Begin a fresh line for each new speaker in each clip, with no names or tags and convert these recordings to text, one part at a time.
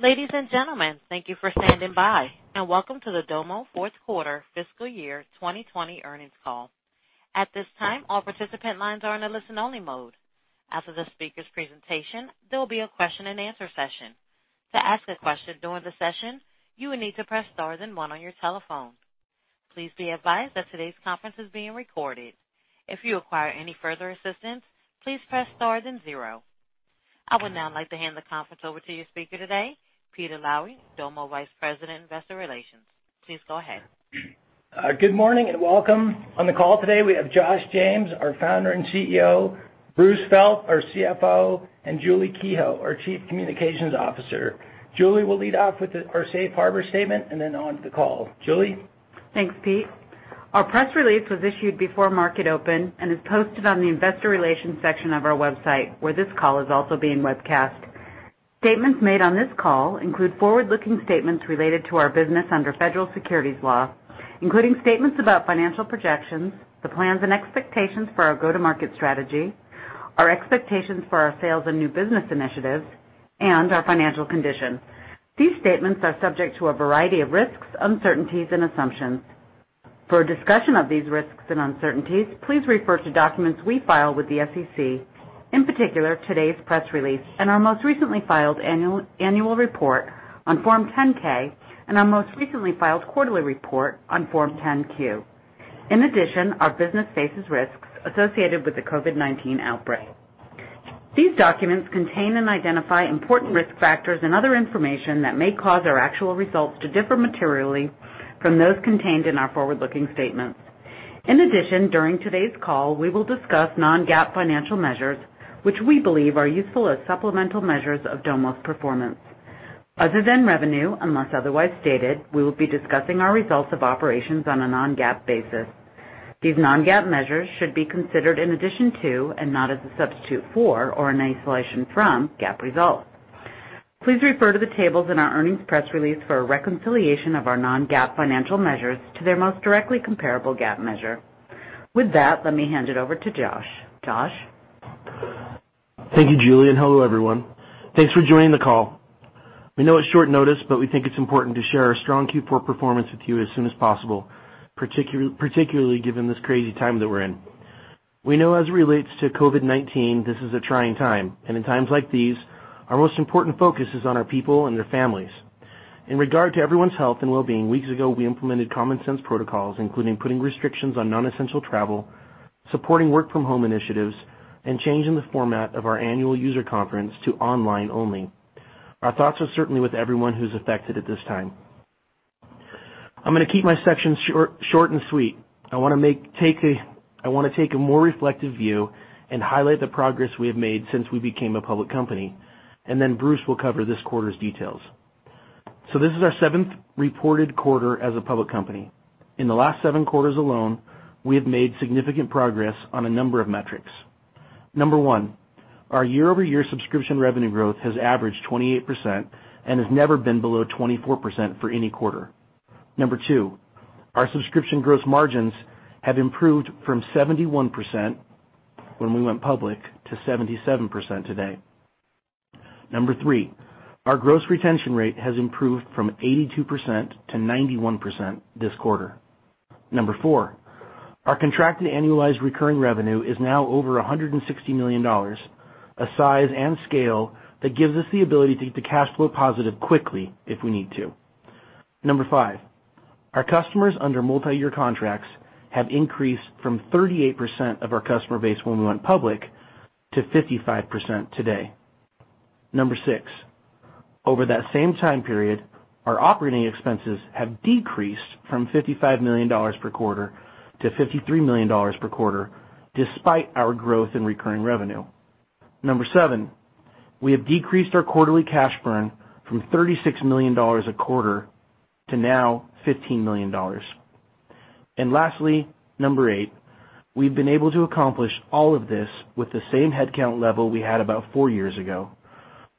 Ladies and gentlemen, thank you for standing by, welcome to the Domo fourth quarter fiscal year 2020 earnings call. At this time, all participant lines are in a listen-only mode. After the speakers' presentation, there will be a question-and-answer session. To ask a question during the session, you will need to press star then one on your telephone. Please be advised that today's conference is being recorded. If you require any further assistance, please press star then zero. I would now like to hand the conference over to your speaker today, Peter Lowry, Domo Vice President, Investor Relations. Please go ahead.
Good morning, and welcome. On the call today, we have Josh James, our founder and CEO, Bruce Felt, our CFO, and Julie Kehoe, our Chief Communications Officer. Julie will lead off with our safe harbor statement and then on to the call. Julie?
Thanks, Peter. Our press release was issued before market open and is posted on the investor relations section of our website, where this call is also being webcast. Statements made on this call include forward-looking statements related to our business under federal securities law, including statements about financial projections, the plans and expectations for our go-to-market strategy, our expectations for our sales and new business initiatives, and our financial condition. These statements are subject to a variety of risks, uncertainties, and assumptions. For a discussion of these risks and uncertainties, please refer to documents we file with the SEC, in particular, today's press release and our most recently filed annual report on Form 10-K and our most recently filed quarterly report on Form 10-Q. In addition, our business faces risks associated with the COVID-19 outbreak. These documents contain and identify important risk factors and other information that may cause our actual results to differ materially from those contained in our forward-looking statements. During today's call, we will discuss non-GAAP financial measures, which we believe are useful as supplemental measures of Domo's performance. Other than revenue, unless otherwise stated, we will be discussing our results of operations on a non-GAAP basis. These non-GAAP measures should be considered in addition to and not as a substitute for or an isolation from GAAP results. Please refer to the tables in our earnings press release for a reconciliation of our non-GAAP financial measures to their most directly comparable GAAP measure. With that, let me hand it over to Josh. Josh?
Thank you, Julie. Hello, everyone. Thanks for joining the call. We know it's short notice. We think it's important to share our strong Q4 performance with you as soon as possible, particularly given this crazy time that we're in. We know as it relates to COVID-19, this is a trying time. In times like these, our most important focus is on our people and their families. In regard to everyone's health and well-being, weeks ago, we implemented common sense protocols, including putting restrictions on non-essential travel, supporting work from home initiatives, and changing the format of our annual user conference to online only. Our thoughts are certainly with everyone who's affected at this time. I'm going to keep my section short and sweet. I want to take a more reflective view and highlight the progress we have made since we became a public company, and then Bruce will cover this quarter's details. This is our seventh reported quarter as a public company. In the last seven quarters alone, we have made significant progress on a number of metrics. Number one, our year-over-year subscription revenue growth has averaged 28% and has never been below 24% for any quarter. Number two, our subscription gross margins have improved from 71% when we went public to 77% today. Number three, our gross retention rate has improved from 82%-91% this quarter. Number four, our contracted annualized recurring revenue is now over $160 million, a size and scale that gives us the ability to get to cash flow positive quickly if we need to. Number five, our customers under multi-year contracts have increased from 38% of our customer base when we went public to 55% today. Number six, over that same time period, our operating expenses have decreased from $55 million per quarter to $53 million per quarter, despite our growth in recurring revenue. Number seven, we have decreased our quarterly cash burn from $36 million a quarter to now $15 million. Lastly, number eight, we've been able to accomplish all of this with the same headcount level we had about four years ago,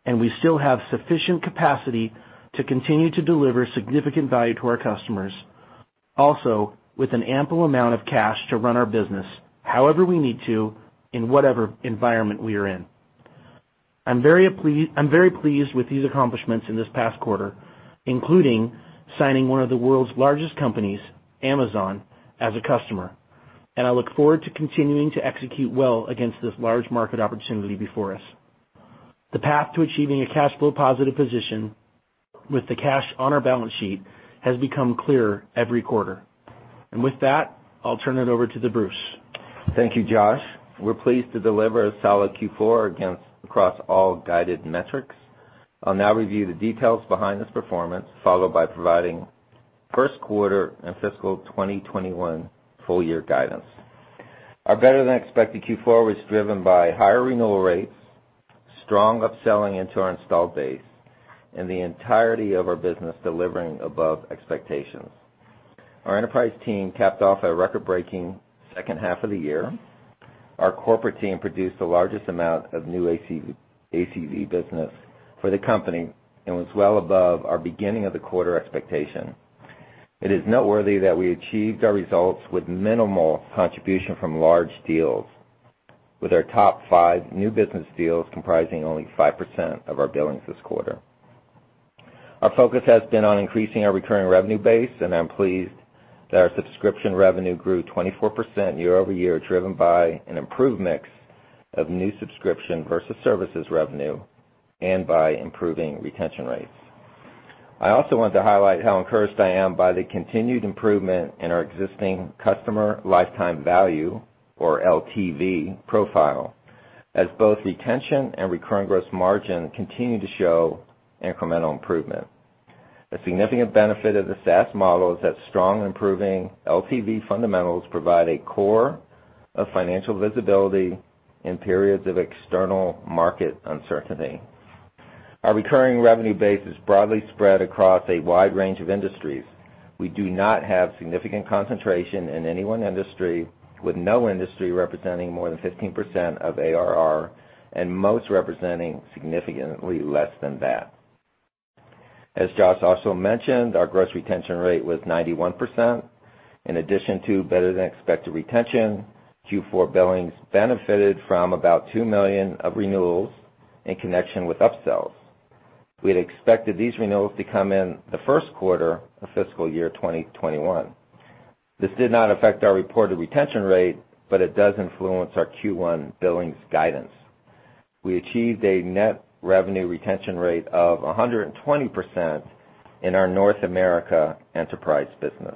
and we still have sufficient capacity to continue to deliver significant value to our customers, also with an ample amount of cash to run our business however we need to in whatever environment we are in. I'm very pleased with these accomplishments in this past quarter, including signing one of the world's largest companies, Amazon, as a customer. I look forward to continuing to execute well against this large market opportunity before us. The path to achieving a cash flow positive position with the cash on our balance sheet has become clearer every quarter. With that, I'll turn it over to Bruce.
Thank you, Josh. We're pleased to deliver a solid Q4 across all guided metrics. I'll now review the details behind this performance, followed by providing first quarter and fiscal 2021 full year guidance. Our better-than-expected Q4 was driven by higher renewal rates, strong upselling into our installed base, and the entirety of our business delivering above expectations. Our enterprise team capped off a record-breaking second half of the year. Our corporate team produced the largest amount of new ACV business for the company and was well above our beginning of the quarter expectation. It is noteworthy that we achieved our results with minimal contribution from large deals, with our top five new business deals comprising only 5% of our billings this quarter. Our focus has been on increasing our recurring revenue base, and I'm pleased that our subscription revenue grew 24% year-over-year, driven by an improved mix of new subscription versus services revenue and by improving retention rates. I also want to highlight how encouraged I am by the continued improvement in our existing customer lifetime value, or LTV, profile, as both retention and recurring gross margin continue to show incremental improvement. A significant benefit of the SaaS model is that strong improving LTV fundamentals provide a core of financial visibility in periods of external market uncertainty. Our recurring revenue base is broadly spread across a wide range of industries. We do not have significant concentration in any one industry, with no industry representing more than 15% of ARR, and most representing significantly less than that. As Josh also mentioned, our gross retention rate was 91%. In addition to better-than-expected retention, Q4 billings benefited from about $2 million of renewals in connection with upsells. We had expected these renewals to come in the first quarter of fiscal year 2021. This did not affect our reported retention rate, it does influence our Q1 billings guidance. We achieved a net revenue retention rate of 120% in our North America enterprise business.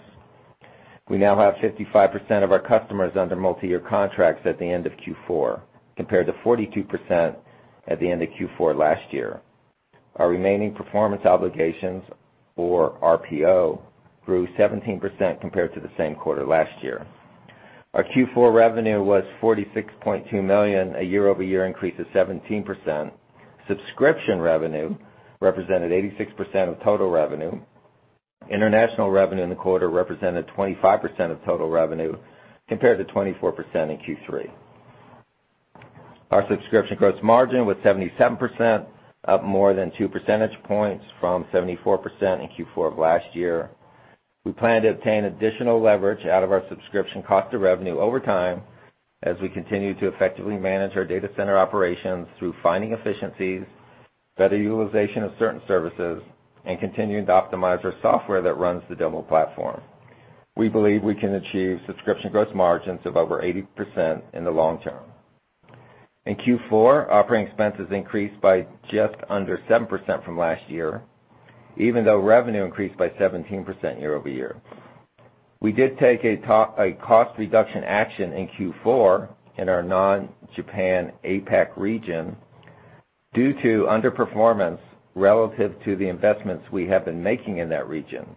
We now have 55% of our customers under multi-year contracts at the end of Q4, compared to 42% at the end of Q4 last year. Our remaining performance obligations, or RPO, grew 17% compared to the same quarter last year. Our Q4 revenue was $46.2 million, a year-over-year increase of 17%. Subscription revenue represented 86% of total revenue. International revenue in the quarter represented 25% of total revenue, compared to 24% in Q3. Our subscription gross margin was 77%, up more than two percentage points from 74% in Q4 of last year. We plan to obtain additional leverage out of our subscription cost of revenue over time as we continue to effectively manage our data center operations through finding efficiencies, better utilization of certain services, and continuing to optimize our software that runs the Domo platform. We believe we can achieve subscription gross margins of over 80% in the long term. In Q4, operating expenses increased by just under 7% from last year, even though revenue increased by 17% year-over-year. We did take a cost reduction action in Q4 in our non-Japan APAC region due to underperformance relative to the investments we have been making in that region.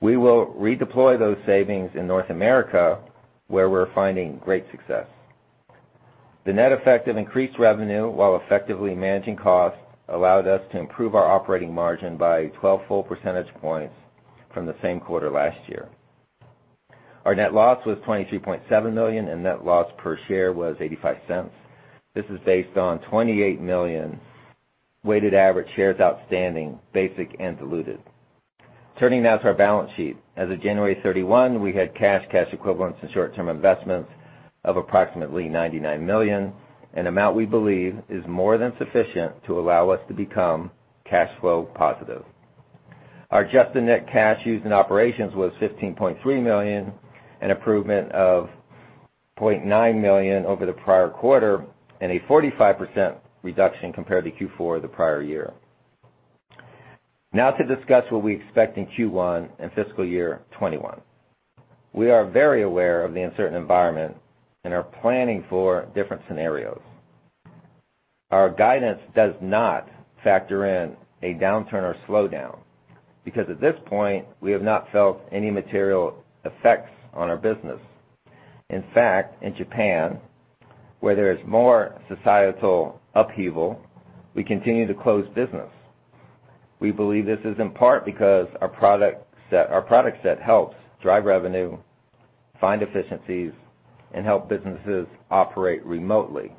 We will redeploy those savings in North America, where we're finding great success. The net effect of increased revenue while effectively managing costs allowed us to improve our operating margin by 12 full percentage points from the same quarter last year. Our net loss was $23.7 million, and net loss per share was $0.85. This is based on 28 million weighted average shares outstanding, basic and diluted. Turning now to our balance sheet. As of January 31, we had cash equivalents, and short-term investments of approximately $99 million, an amount we believe is more than sufficient to allow us to become cash flow positive. Our adjusted net cash used in operations was $15.3 million, an improvement of $0.9 million over the prior quarter and a 45% reduction compared to Q4 the prior year. Now to discuss what we expect in Q1 and fiscal year 2021. We are very aware of the uncertain environment and are planning for different scenarios. Our guidance does not factor in a downturn or slowdown, because at this point, we have not felt any material effects on our business. In fact, in Japan, where there is more societal upheaval, we continue to close business. We believe this is in part because our product set helps drive revenue, find efficiencies, and help businesses operate remotely.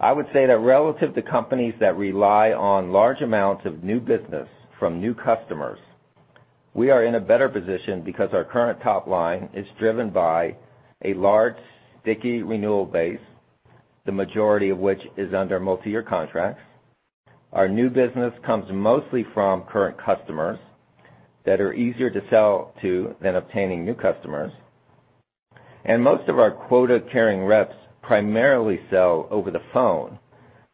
I would say that relative to companies that rely on large amounts of new business from new customers, we are in a better position because our current top line is driven by a large, sticky renewal base, the majority of which is under multi-year contracts. Our new business comes mostly from current customers that are easier to sell to than obtaining new customers. Most of our quota-carrying reps primarily sell over the phone,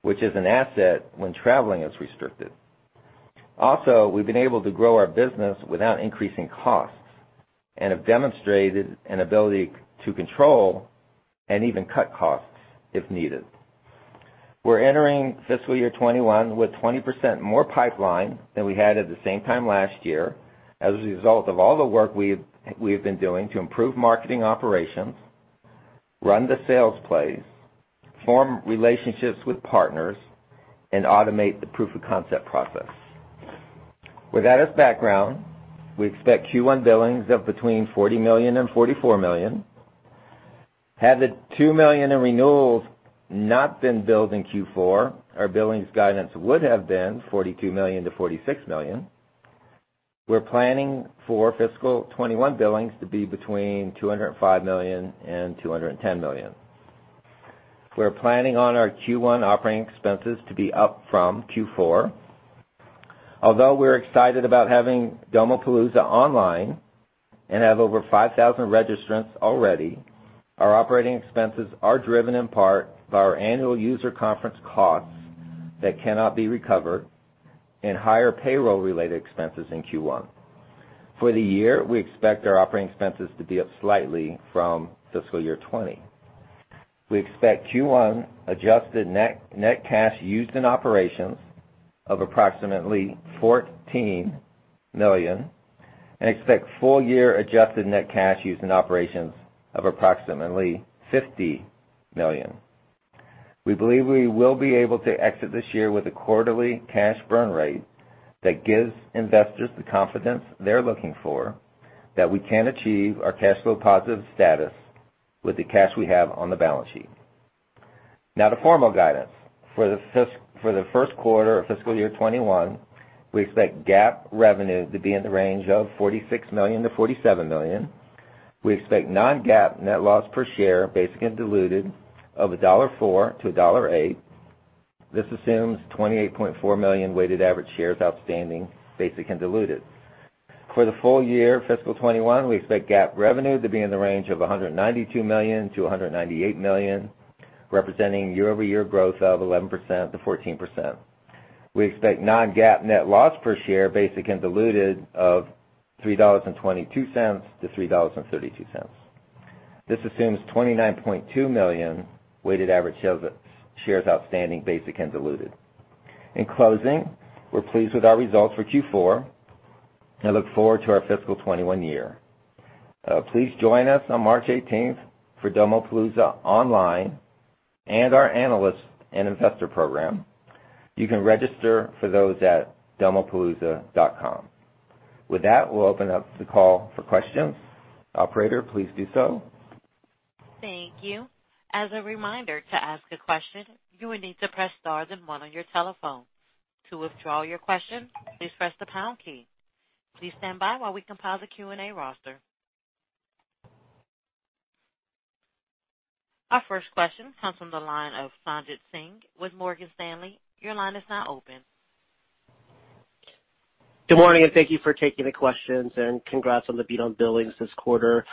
which is an asset when traveling is restricted. Also, we've been able to grow our business without increasing costs and have demonstrated an ability to control and even cut costs if needed. We're entering fiscal year 2021 with 20% more pipeline than we had at the same time last year as a result of all the work we have been doing to improve marketing operations, run the sales plays, form relationships with partners, and automate the proof of concept process. With that as background, we expect Q1 billings of between $40 million and $44 million. Had the $2 million in renewals not been billed in Q4, our billings guidance would have been $42 million-$46 million. We're planning for fiscal 2021 billings to be between $205 million and $210 million. We're planning on our Q1 operating expenses to be up from Q4. Although we're excited about having Domopalooza online and have over 5,000 registrants already, our operating expenses are driven in part by our annual user conference costs that cannot be recovered, and higher payroll-related expenses in Q1. For the year, we expect our operating expenses to be up slightly from fiscal year 2020. We expect Q1 adjusted net cash used in operations of approximately $14 million and expect full-year adjusted net cash used in operations of approximately $50 million. We believe we will be able to exit this year with a quarterly cash burn rate that gives investors the confidence they're looking for that we can achieve our cash flow positive status with the cash we have on the balance sheet. Now the formal guidance. For the first quarter of fiscal year 2021, we expect GAAP revenue to be in the range of $46 million-$47 million. We expect non-GAAP net loss per share, basic and diluted, of $1.04-$1.08. This assumes 28.4 million weighted average shares outstanding, basic and diluted. For the full year fiscal 2021, we expect GAAP revenue to be in the range of $192 million-$198 million, representing year-over-year growth of 11%-14%. We expect non-GAAP net loss per share, basic and diluted of $3.22-$3.32. This assumes 29.2 million weighted average shares outstanding, basic and diluted. In closing, we're pleased with our results for Q4 and look forward to our fiscal 2021 year. Please join us on March 18th for Domopalooza online and our analyst and investor program. You can register for those at domopalooza.com. With that, we'll open up the call for questions. Operator, please do so.
Thank you. As a reminder, to ask a question, you will need to press star then one on your telephone. To withdraw your question, please press the pound key. Please stand by while we compile the Q&A roster. Our first question comes from the line of Sanjit Singh with Morgan Stanley. Your line is now open.
Good morning, thank you for taking the questions, and congrats on the beat on billings this quarter.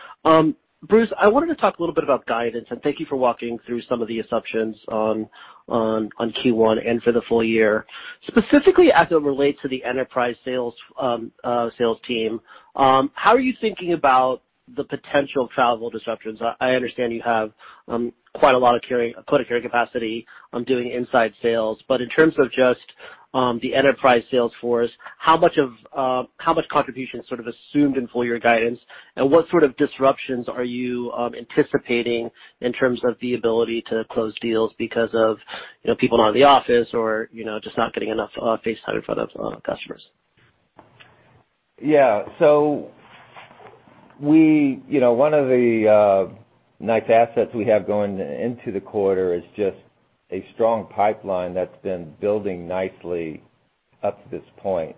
Bruce, I wanted to talk a little bit about guidance, and thank you for walking through some of the assumptions on Q1 and for the full year. Specifically as it relates to the enterprise sales team, how are you thinking about the potential travel disruptions? I understand you have quite a lot of carrying capacity on doing inside sales. In terms of just the enterprise sales force, how much contribution is sort of assumed in full year guidance, and what sort of disruptions are you anticipating in terms of the ability to close deals because of people not in the office or just not getting enough face time in front of customers?
Yeah. One of the nice assets we have going into the quarter is just a strong pipeline that's been building nicely up to this point.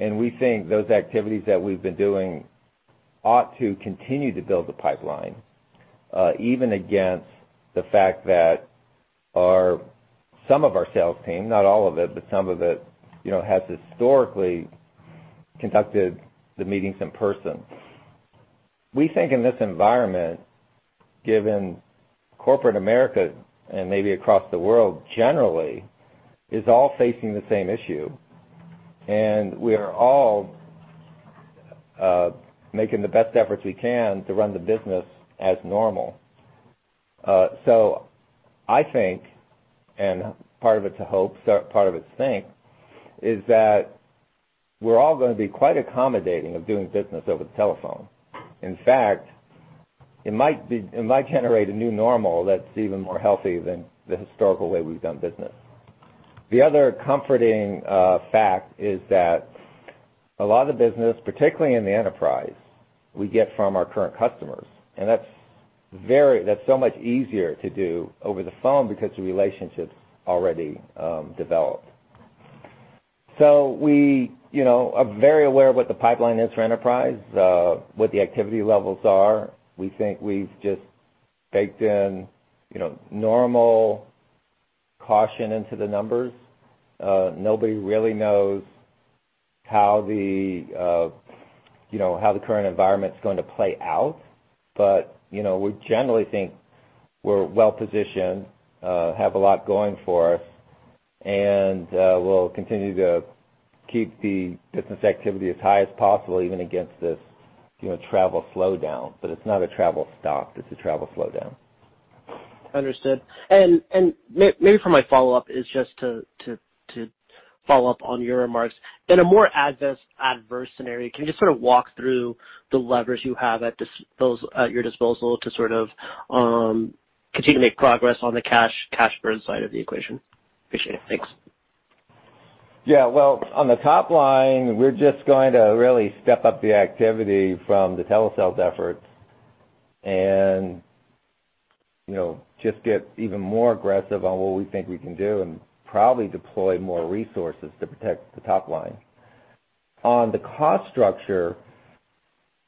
We think those activities that we've been doing ought to continue to build the pipeline, even against the fact that some of our sales team, not all of it, but some of it, has historically conducted the meetings in person. We think in this environment, given corporate America and maybe across the world generally, is all facing the same issue, and we are all making the best efforts we can to run the business as normal. I think, and part of it's a hope, part of it's think, is that we're all gonna be quite accommodating of doing business over the telephone. In fact, it might generate a new normal that's even more healthy than the historical way we've done business. The other comforting fact is that a lot of the business, particularly in the enterprise, we get from our current customers, and that's so much easier to do over the phone because the relationship's already developed. We are very aware of what the pipeline is for enterprise, what the activity levels are. We think we've just baked in normal caution into the numbers. Nobody really knows how the current environment's going to play out. We generally think we're well-positioned, have a lot going for us, and we'll continue to keep the business activity as high as possible, even against this travel slowdown. It's not a travel stop, it's a travel slowdown.
Understood. Maybe for my follow-up is just to follow up on your remarks. In a more adverse scenario, can you just sort of walk through the levers you have at your disposal to sort of continue to make progress on the cash burn side of the equation? Appreciate it. Thanks.
Yeah. Well, on the top line, we're just going to really step up the activity from the telesales efforts and just get even more aggressive on what we think we can do, and probably deploy more resources to protect the top line. On the cost structure,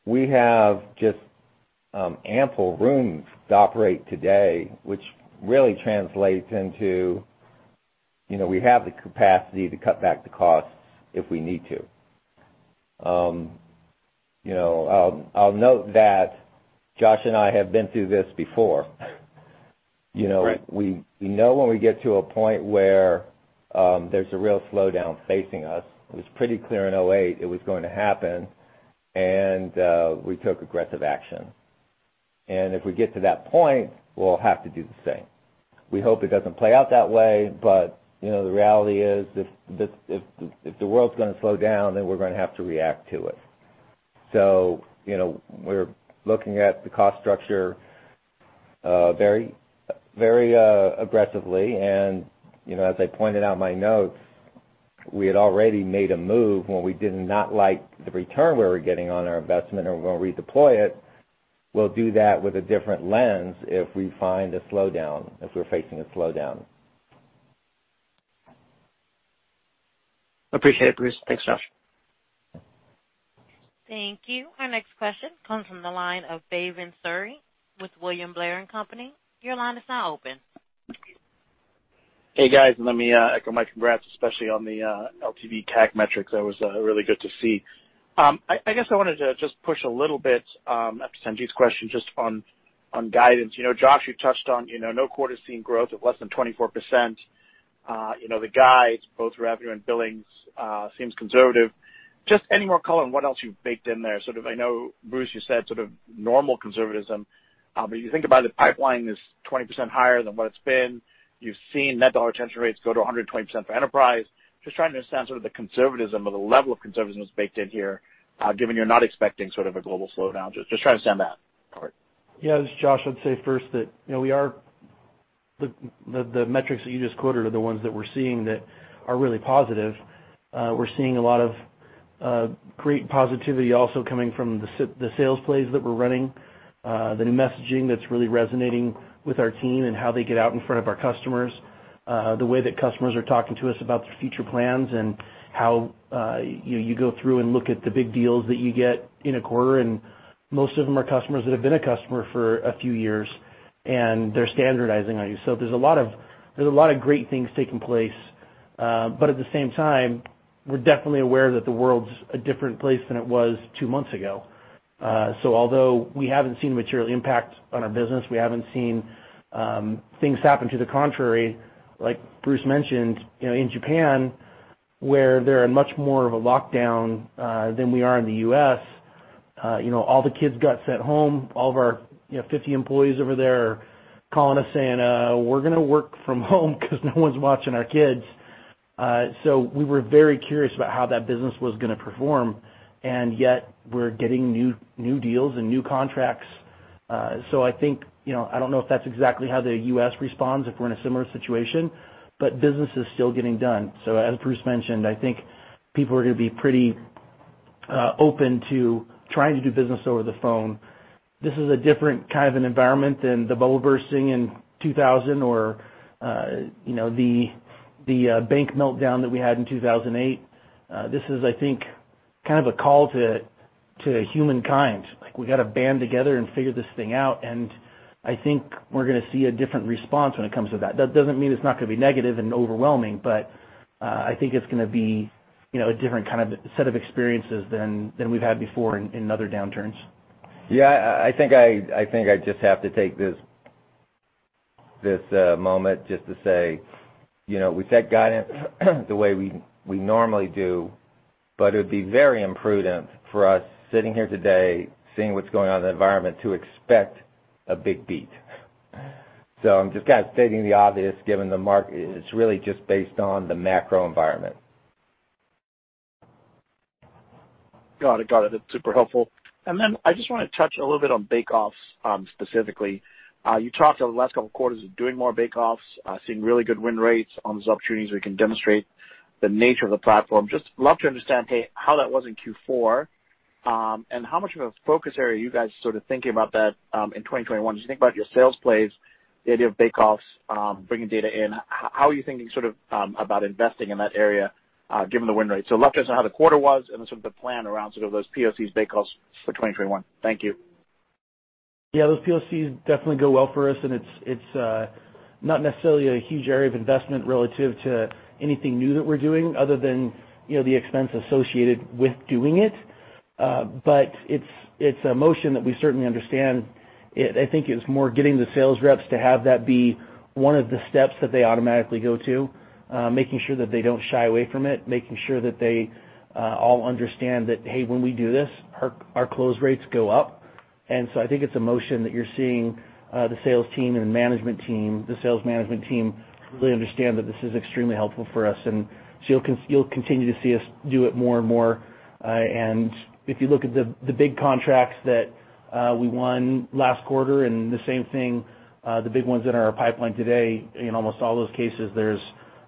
we have just ample room to operate today, which really translates into we have the capacity to cut back the costs if we need to. I'll note that Josh and I have been through this before.
Right.
We know when we get to a point where there's a real slowdown facing us. It was pretty clear in 2008 it was going to happen, and we took aggressive action. If we get to that point, we'll have to do the same. We hope it doesn't play out that way, but the reality is, if the world's going to slow down, then we're going to have to react to it. We're looking at the cost structure very aggressively. As I pointed out in my notes, we had already made a move when we did not like the return we were getting on our investment, and we're going to redeploy it. We'll do that with a different lens if we find a slowdown, if we're facing a slowdown.
Appreciate it, Bruce. Thanks, Josh.
Thank you. Our next question comes from the line of Bhavan Suri with William Blair & Co. Your line is now open.
Hey, guys. Let me echo my congrats, especially on the LTV/CAC metrics. That was really good to see. I guess I wanted to just push a little bit after Sanjit's question just on guidance. Josh, you touched on no quarter seeing growth of less than 24%. The guides, both revenue and billings, seems conservative. Just any more color on what else you've baked in there. I know, Bruce, you said normal conservatism, but you think about the pipeline is 20% higher than what it's been. You've seen net dollar retention rates go to 120% for enterprise. Just trying to understand the conservatism or the level of conservatism that's baked in here, given you're not expecting a global slowdown. Just trying to understand that part.
Yeah. This is Josh. I'd say first that the metrics that you just quoted are the ones that we're seeing that are really positive. We're seeing a lot of great positivity also coming from the sales plays that we're running, the new messaging that's really resonating with our team and how they get out in front of our customers. The way that customers are talking to us about their future plans, and how you go through and look at the big deals that you get in a quarter, and most of them are customers that have been a customer for a few years, and they're standardizing on you. There's a lot of great things taking place. At the same time, we're definitely aware that the world's a different place than it was two months ago. Although we haven't seen a material impact on our business, we haven't seen things happen to the contrary, like Bruce mentioned, in Japan, where they're in much more of a lockdown than we are in the U.S. All the kids got sent home. All of our 50 employees over there are calling us saying, "We're going to work from home because no one's watching our kids." We were very curious about how that business was going to perform, and yet we're getting new deals and new contracts. I don't know if that's exactly how the U.S. responds if we're in a similar situation, but business is still getting done. As Bruce mentioned, I think people are going to be pretty open to trying to do business over the phone. This is a different kind of an environment than the bubble bursting in 2000 or the bank meltdown that we had in 2008. This is, I think, a call to humankind. We've got to band together and figure this thing out, and I think we're going to see a different response when it comes to that. That doesn't mean it's not going to be negative and overwhelming, but I think it's going to be a different set of experiences than we've had before in other downturns.
Yeah. I think I just have to take this moment just to say we set guidance the way we normally do, but it would be very imprudent for us sitting here today, seeing what's going on in the environment, to expect a big beat. I'm just stating the obvious, given the market, it's really just based on the macro environment.
Got it. Super helpful. I just want to touch a little bit on bake-offs, specifically. You talked over the last couple of quarters of doing more bake-offs, seeing really good win rates on those opportunities where you can demonstrate the nature of the platform. Love to understand, A, how that was in Q4, and how much of a focus area are you guys thinking about that in 2021? Think about your sales plays, the idea of bake-offs, bringing data in. How are you thinking about investing in that area, given the win rate? Love to understand how the quarter was and then the plan around those POCs bake-offs for 2021. Thank you.
Those POCs definitely go well for us, and it's not necessarily a huge area of investment relative to anything new that we're doing other than the expense associated with doing it. It's a motion that we certainly understand. I think it's more getting the sales reps to have that be one of the steps that they automatically go to, making sure that they don't shy away from it, making sure that they all understand that, hey, when we do this, our close rates go up. I think it's a motion that you're seeing the sales team and the management team, the sales management team, really understand that this is extremely helpful for us. You'll continue to see us do it more and more. If you look at the big contracts that we won last quarter and the same thing, the big ones that are in our pipeline today, in almost all those cases,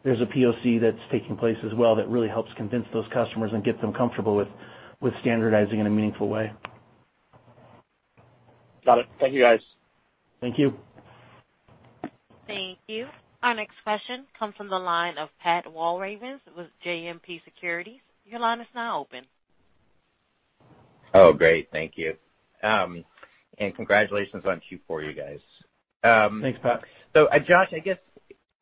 there's a POC that's taking place as well that really helps convince those customers and gets them comfortable with standardizing in a meaningful way.
Got it. Thank you, guys.
Thank you.
Thank you. Our next question comes from the line of Pat Walravens with JMP Securities. Your line is now open.
Oh, great. Thank you. Congratulations on Q4, you guys.
Thanks, Pat.
Josh, I guess,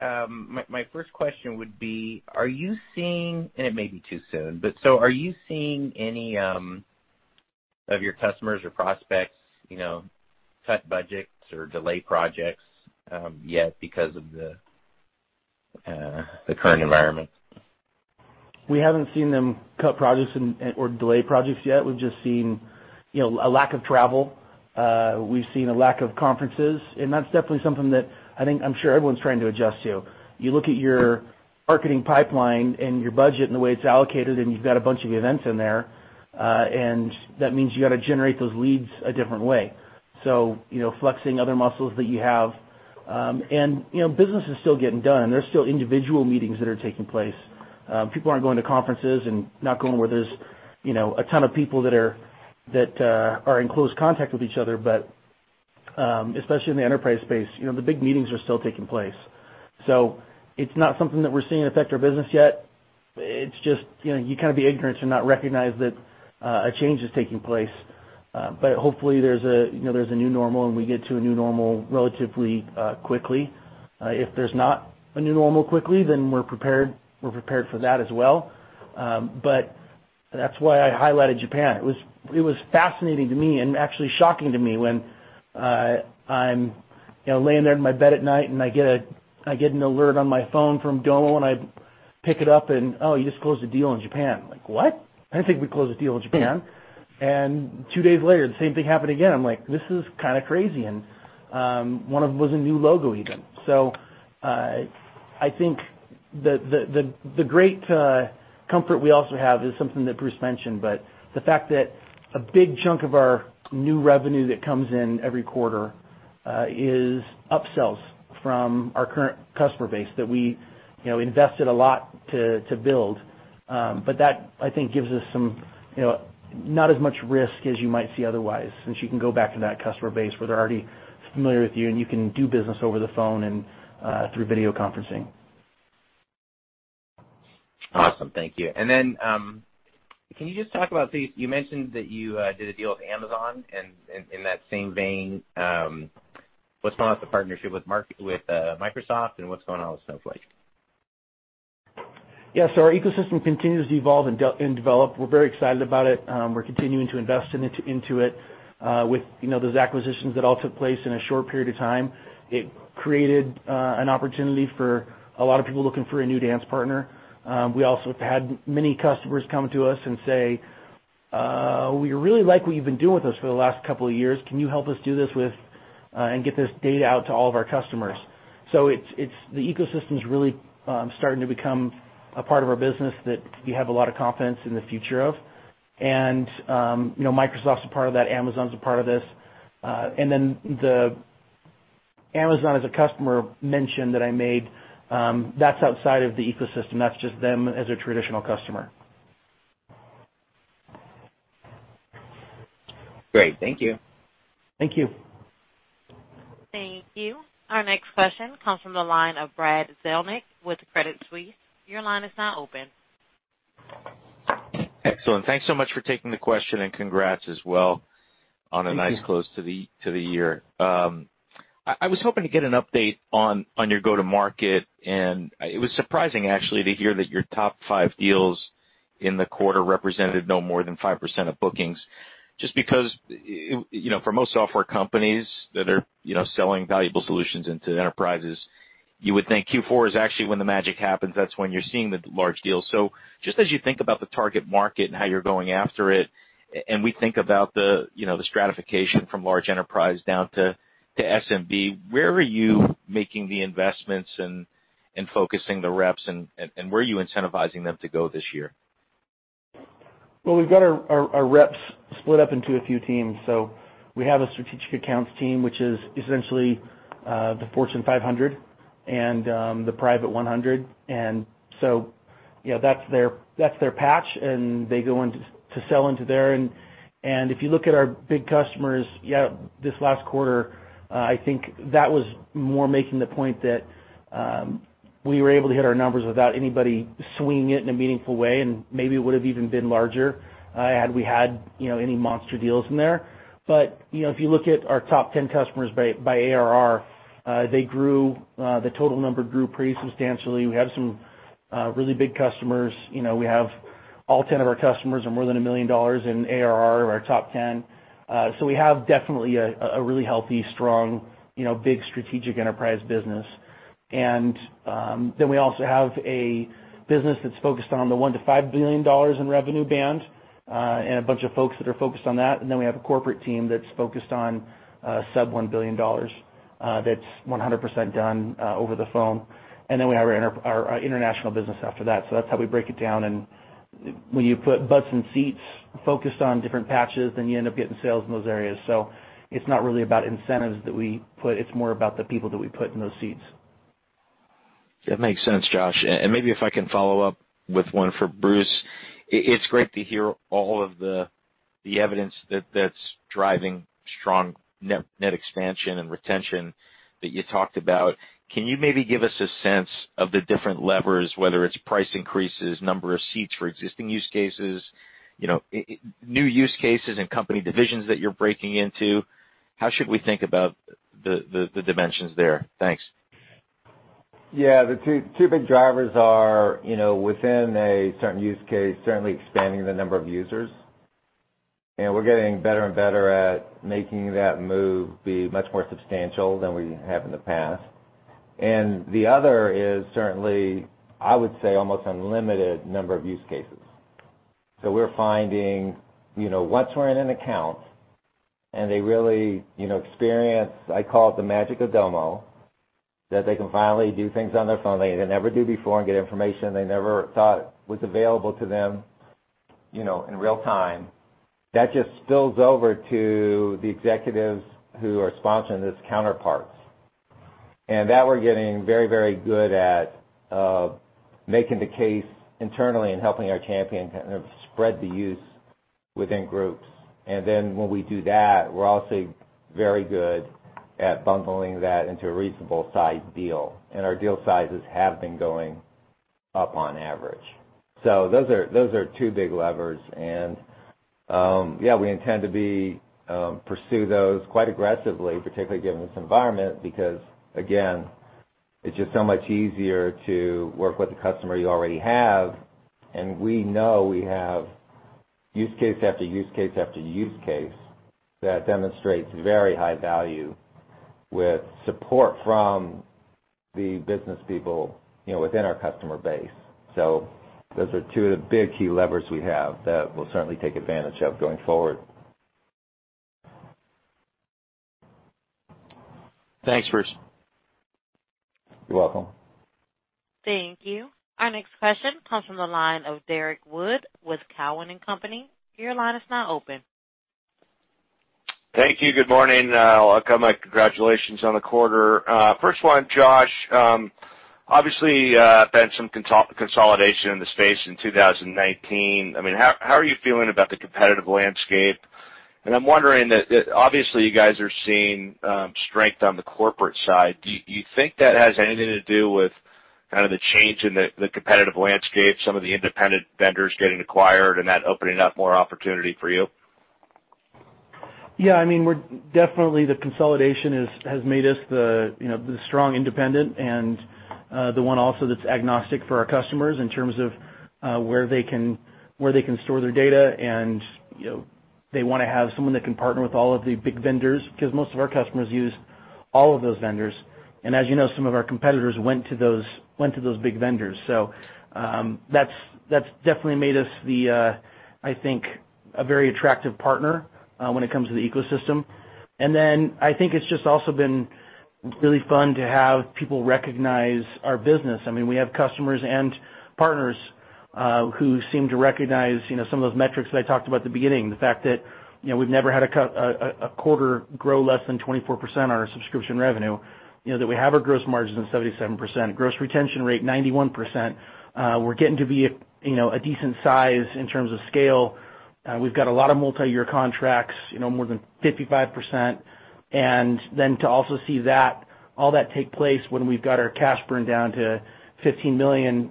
my first question would be, are you seeing, and it may be too soon, but are you seeing any of your customers or prospects cut budgets or delay projects yet because of the current environment?
We haven't seen them cut projects or delay projects yet. We've just seen a lack of travel. We've seen a lack of conferences, and that's definitely something that I think I'm sure everyone's trying to adjust to. You look at your marketing pipeline and your budget and the way it's allocated, and you've got a bunch of events in there. That means you got to generate those leads a different way. Flexing other muscles that you have. Business is still getting done. There's still individual meetings that are taking place. People aren't going to conferences and not going where there's a ton of people that are in close contact with each other. Especially in the enterprise space, the big meetings are still taking place. It's not something that we're seeing affect our business yet. It's just, you kind of be ignorant to not recognize that a change is taking place. Hopefully there's a new normal, and we get to a new normal relatively quickly. If there's not a new normal quickly, then we're prepared for that as well. That's why I highlighted Japan. It was fascinating to me and actually shocking to me when I'm laying there in my bed at night, and I get an alert on my phone from Domo, and I pick it up and, "Oh, you just closed a deal in Japan." I'm like, "What? I didn't think we closed a deal in Japan." Two days later, the same thing happened again. I'm like, "This is kind of crazy." One of them was a new logo even. I think the great comfort we also have is something that Bruce mentioned, but the fact that a big chunk of our new revenue that comes in every quarter is upsells from our current customer base that we invested a lot to build. That, I think, gives us not as much risk as you might see otherwise, since you can go back to that customer base where they're already familiar with you, and you can do business over the phone and through video conferencing.
Awesome. Thank you. Then, can you just talk about, you mentioned that you did a deal with Amazon and in that same vein, what's going on with the partnership with Microsoft and what's going on with Snowflake?
Yeah. Our ecosystem continues to evolve and develop. We're very excited about it. We're continuing to invest into it. With those acquisitions that all took place in a short period of time, it created an opportunity for a lot of people looking for a new dance partner. We also have had many customers come to us and say, "We really like what you've been doing with us for the last couple of years. Can you help us do this with, and get this data out to all of our customers?" The ecosystem's really starting to become a part of our business that we have a lot of confidence in the future of. Microsoft's a part of that. Amazon's a part of this. The Amazon as a customer mention that I made, that's outside of the ecosystem. That's just them as a traditional customer.
Great. Thank you.
Thank you.
Thank you. Our next question comes from the line of Brad Zelnick with Credit Suisse. Your line is now open.
Excellent. Thanks so much for taking the question. Congrats as well on-
Thank you.
A nice close to the year. I was hoping to get an update on your go to market, and it was surprising, actually, to hear that your top five deals in the quarter represented no more than 5% of bookings. Because, for most software companies that are selling valuable solutions into enterprises, you would think Q4 is actually when the magic happens. That's when you're seeing the large deals. Just as you think about the target market and how you're going after it, and we think about the stratification from large enterprise down to SMB, where are you making the investments and focusing the reps and where are you incentivizing them to go this year?
Well, we've got our reps split up into a few teams. We have a strategic accounts team, which is essentially the Fortune 500 and the Private 100. That's their patch, and they go in to sell into there. If you look at our big customers, yeah, this last quarter, I think that was more making the point that we were able to hit our numbers without anybody swinging it in a meaningful way, and maybe it would have even been larger, had we had any monster deals in there. If you look at our top 10 customers by ARR, the total number grew pretty substantially. We have some really big customers. We have all 10 of our customers are more than $1 million in ARR, our top 10. We have definitely a really healthy, strong, big strategic enterprise business. Then we also have a business that's focused on the $1 billion-$5 billion in revenue band, and a bunch of folks that are focused on that. We have a corporate team that's focused on sub $1 billion. That's 100% done over the phone. We have our international business after that. That's how we break it down. When you put butts in seats focused on different patches, then you end up getting sales in those areas. It's not really about incentives that we put. It's more about the people that we put in those seats.
That makes sense, Josh. Maybe if I can follow up with one for Bruce. It's great to hear all of the evidence that's driving strong net expansion and retention that you talked about. Can you maybe give us a sense of the different levers, whether it's price increases, number of seats for existing use cases, new use cases and company divisions that you're breaking into? How should we think about the dimensions there? Thanks.
Yeah. The two big drivers are within a certain use case, certainly expanding the number of users. We're getting better and better at making that move be much more substantial than we have in the past. The other is certainly, I would say, almost unlimited number of use cases. We're finding, once we're in an account and they really experience, I call it the magic of Domo, that they can finally do things on their phone they never did before and get information they never thought was available to them in real-time. That just spills over to the executives who are sponsoring this counterparts. That we're getting very good at making the case internally and helping our champion kind of spread the use within groups. When we do that, we're also very good at bundling that into a reasonable size deal. Our deal sizes have been going up on average. Those are two big levers. Yeah, we intend to pursue those quite aggressively, particularly given this environment, because again, it's just so much easier to work with the customer you already have. We know we have use case after use case, that demonstrates very high value with support from the business people within our customer base. Those are two of the big key levers we have that we'll certainly take advantage of going forward.
Thanks, Bruce.
You're welcome.
Thank you. Our next question comes from the line of Derrick Wood with Cowen & Company. Your line is now open.
Thank you. Good morning. I'll echo my congratulations on the quarter. First one, Josh, obviously, been some consolidation in the space in 2019. How are you feeling about the competitive landscape? I'm wondering that obviously you guys are seeing strength on the corporate side. Do you think that has anything to do with kind of the change in the competitive landscape, some of the independent vendors getting acquired and that opening up more opportunity for you?
Yeah. Definitely the consolidation has made us the strong independent and the one also that's agnostic for our customers in terms of where they can store their data and they want to have someone that can partner with all of the big vendors, because most of our customers use all of those vendors. As you know, some of our competitors went to those big vendors. That's definitely made us, I think, a very attractive partner when it comes to the ecosystem. I think it's just also been really fun to have people recognize our business. We have customers and partners who seem to recognize some of those metrics that I talked about at the beginning. The fact that we've never had a quarter grow less than 24% on our subscription revenue, that we have our gross margins of 77%, gross retention rate 91%. We're getting to be a decent size in terms of scale. We've got a lot of multi-year contracts, more than 55%. To also see all that take place when we've got our cash burn down to $15 million,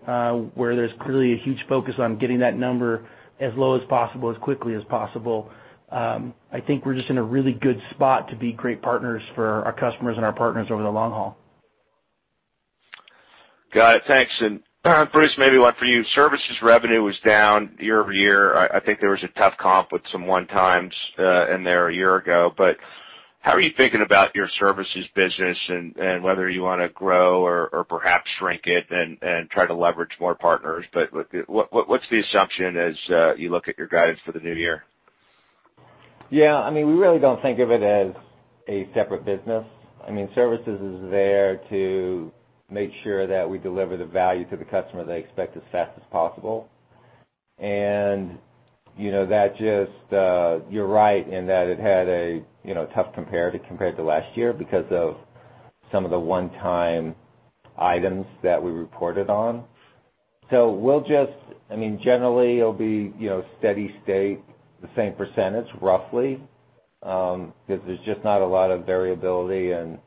where there's clearly a huge focus on getting that number as low as possible, as quickly as possible. I think we're just in a really good spot to be great partners for our customers and our partners over the long haul.
Got it. Thanks. Bruce, maybe one for you. Services revenue was down year-over-year. I think there was a tough comp with some one-times in there a year ago, but how are you thinking about your services business and whether you want to grow or perhaps shrink it and try to leverage more partners? What's the assumption as you look at your guidance for the new year?
Yeah. We really don't think of it as a separate business. Services is there to make sure that we deliver the value to the customer they expect as fast as possible. You're right in that it had a tough compare to compared to last year because of some of the one-time items that we reported on. Generally it'll be steady state, the same percentage roughly, because there's just not a lot of variability in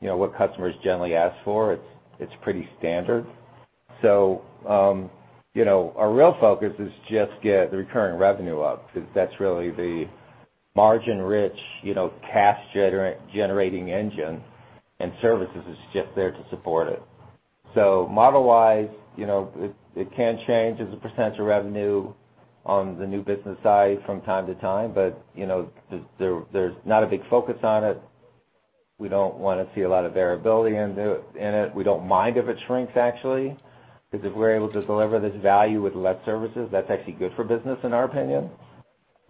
what customers generally ask for. It's pretty standard. Our real focus is just get the recurring revenue up, because that's really the margin-rich, cash-generating engine, and services is just there to support it. Model-wise, it can change as a % of revenue on the new business side from time to time, but there's not a big focus on it. We don't want to see a lot of variability in it. We don't mind if it shrinks actually, because if we're able to deliver this value with less services, that's actually good for business in our opinion.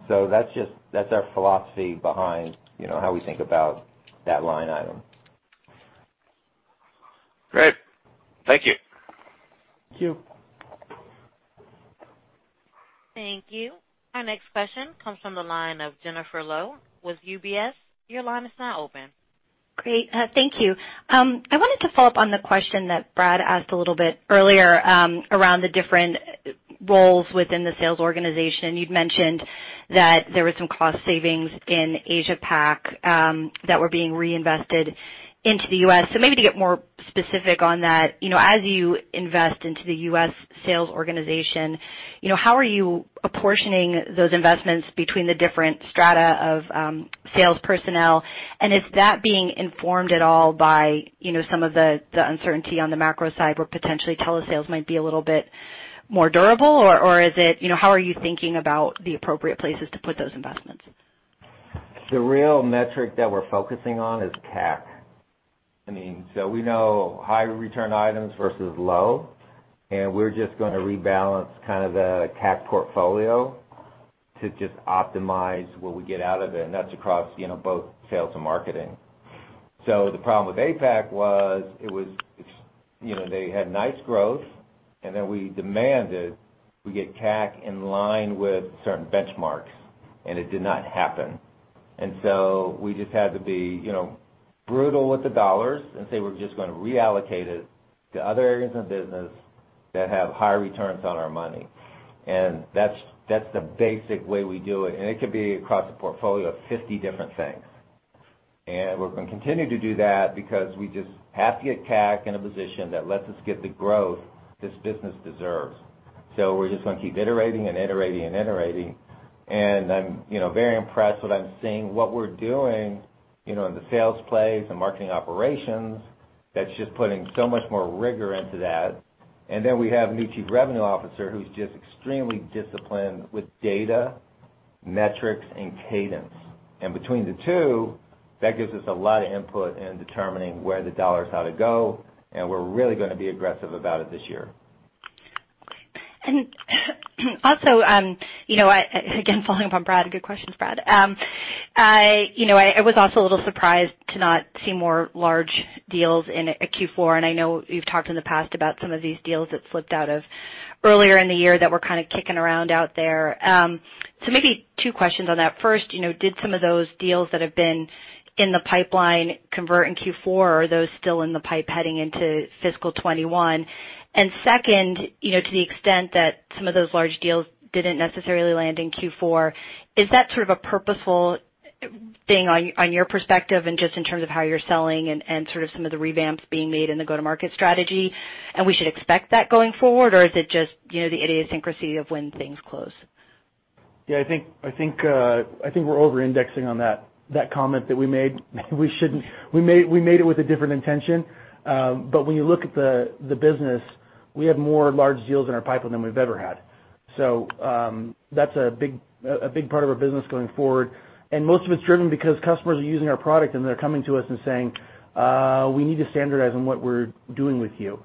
That's our philosophy behind how we think about that line item.
Great. Thank you.
Thank you.
Thank you. Our next question comes from the line of Jennifer Lowe with UBS. Your line is now open.
Great. Thank you. I wanted to follow up on the question that Brad asked a little bit earlier, around the different roles within the sales organization. You'd mentioned that there was some cost savings in Asia-Pac that were being reinvested into the U.S. Maybe to get more specific on that, as you invest into the U.S. sales organization, how are you apportioning those investments between the different strata of sales personnel? Is that being informed at all by some of the uncertainty on the macro side, where potentially telesales might be a little bit more durable? How are you thinking about the appropriate places to put those investments?
The real metric that we're focusing on is CAC. We know high return items versus low, and we're just going to rebalance the CAC portfolio to just optimize what we get out of it, and that's across both sales and marketing. The problem with APAC was, they had nice growth, and then we demanded we get CAC in line with certain benchmarks, and it did not happen. We just had to be brutal with the dollars and say we're just going to reallocate it to other areas of the business that have higher returns on our money. That's the basic way we do it. It could be across a portfolio of 50 different things. We're going to continue to do that because we just have to get CAC in a position that lets us get the growth this business deserves. We're just going to keep iterating and iterating and iterating. I'm very impressed with what I'm seeing. What we're doing in the sales plays and marketing operations, that's just putting so much more rigor into that. Then we have a new Chief Revenue Officer who's just extremely disciplined with data, metrics, and cadence. Between the two, that gives us a lot of input in determining where the U.S. dollars ought to go, and we're really going to be aggressive about it this year.
Also, again, following up on Brad, good questions, Brad. I was also a little surprised to not see more large deals in Q4, and I know you've talked in the past about some of these deals that slipped out of earlier in the year that were kind of kicking around out there. Maybe two questions on that. First, did some of those deals that have been in the pipeline convert in Q4? Are those still in the pipe heading into fiscal 2021? Second, to the extent that some of those large deals didn't necessarily land in Q4, is that sort of a purposeful thing on your perspective and just in terms of how you're selling and sort of some of the revamps being made in the go-to-market strategy, and we should expect that going forward? Or is it just the idiosyncrasy of when things close?
Yeah, I think we're over-indexing on that comment that we made. We made it with a different intention. When you look at the business, we have more large deals in our pipeline than we've ever had. That's a big part of our business going forward. Most of it's driven because customers are using our product and they're coming to us and saying, "We need to standardize on what we're doing with you."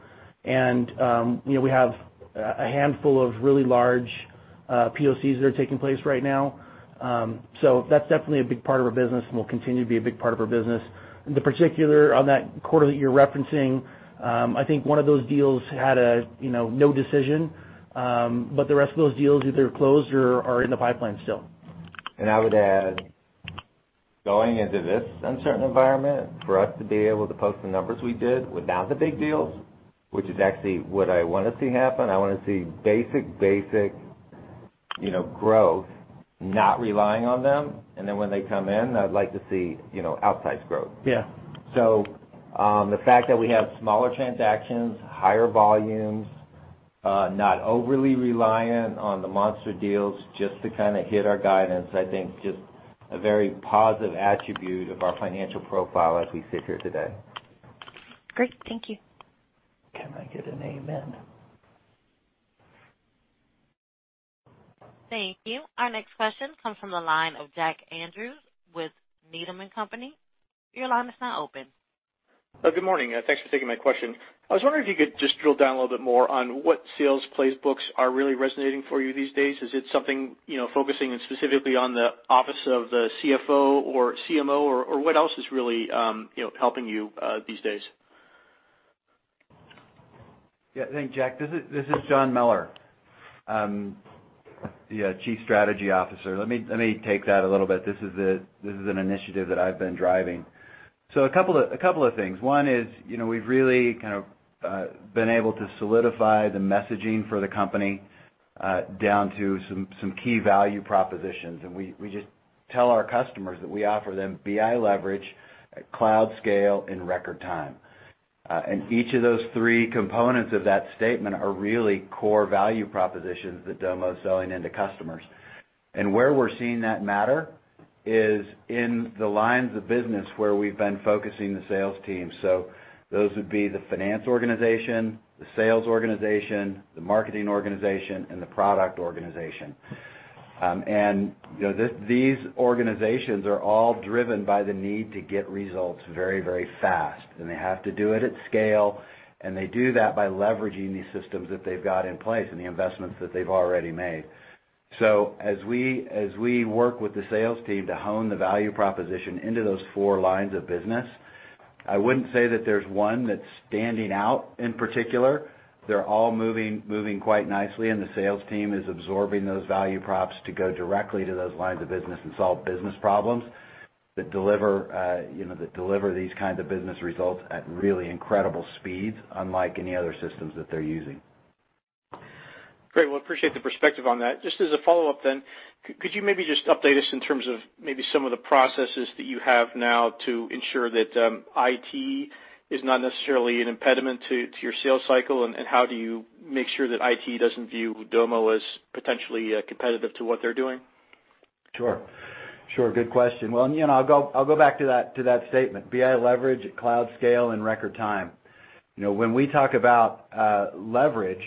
We have a handful of really large POCs that are taking place right now. That's definitely a big part of our business and will continue to be a big part of our business. In the particular, on that quarter that you're referencing, I think one of those deals had no decision, the rest of those deals either closed or are in the pipeline still.
I would add, going into this uncertain environment, for us to be able to post the numbers we did without the big deals, which is actually what I want to see happen. I want to see basic growth, not relying on them. Then when they come in, I'd like to see outsized growth.
Yeah.
The fact that we have smaller transactions, higher volumes, not overly reliant on the monster deals just to hit our guidance, I think is just a very positive attribute of our financial profile as we sit here today.
Great. Thank you.
Can I get an amen?
Thank you. Our next question comes from the line of Jack Andrews with Needham & Company. Your line is now open.
Good morning. Thanks for taking my question. I was wondering if you could just drill down a little bit more on what sales plays books are really resonating for you these days. Is it something focusing specifically on the office of the CFO or CMO, or what else is really helping you these days?
Yeah. Thanks, Jack. This is John Mellor, the Chief Strategy Officer. Let me take that a little bit. This is an initiative that I've been driving. A couple of things. One is, we've really been able to solidify the messaging for the company down to some key value propositions. We just tell our customers that we offer them BI leverage at cloud scale in record time. Each of those three components of that statement are really core value propositions that Domo's selling into customers. Where we're seeing that matter is in the lines of business where we've been focusing the sales team. Those would be the finance organization, the sales organization, the marketing organization, and the product organization. These organizations are all driven by the need to get results very fast, and they have to do it at scale, and they do that by leveraging these systems that they've got in place and the investments that they've already made. As we work with the sales team to hone the value proposition into those four lines of business. I wouldn't say that there's one that's standing out in particular. They're all moving quite nicely, the sales team is absorbing those value props to go directly to those lines of business and solve business problems that deliver these kinds of business results at really incredible speeds, unlike any other systems that they're using.
Great. Well, appreciate the perspective on that. Just as a follow-up, could you maybe just update us in terms of maybe some of the processes that you have now to ensure that IT is not necessarily an impediment to your sales cycle, and how do you make sure that IT doesn't view Domo as potentially competitive to what they're doing?
Sure. Good question. Well, I'll go back to that statement, BI leverage at cloud scale in record time. When we talk about leverage,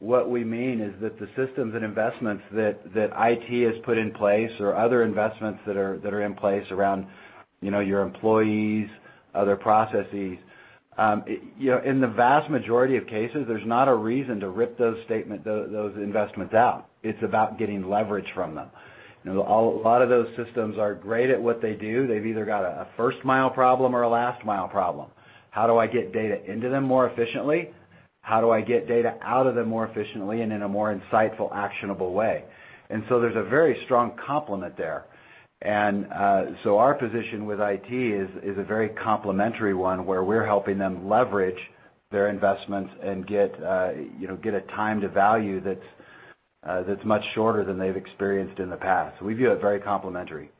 what we mean is that the systems and investments that IT has put in place or other investments that are in place around your employees, other processes, in the vast majority of cases, there's not a reason to rip those investments out. It's about getting leverage from them. A lot of those systems are great at what they do. They've either got a first-mile problem or a last-mile problem. How do I get data into them more efficiently? How do I get data out of them more efficiently and in a more insightful, actionable way? There's a very strong complement there. Our position with IT is a very complementary one, where we're helping them leverage their investments and get a time to value that's much shorter than they've experienced in the past. We view it very complementary.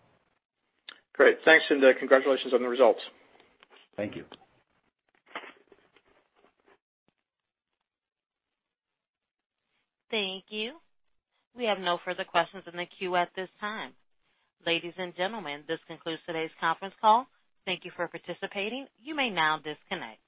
Great. Thanks, and congratulations on the results.
Thank you.
Thank you. We have no further questions in the queue at this time. Ladies and gentlemen, this concludes today's conference call. Thank you for participating. You may now disconnect.